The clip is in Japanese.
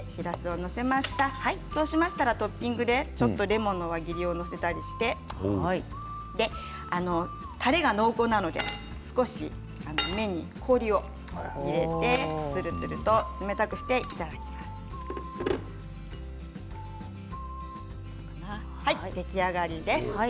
トッピングでレモンの輪切りを載せたりしてたれが濃厚なので少し麺に氷を入れてつるつると冷たくしていただきます。